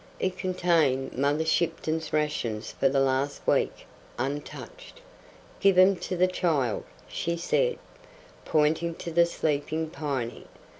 It contained Mother Shipton's rations for the last week, untouched. "Give 'em to the child," she said, pointing to the sleeping Piney.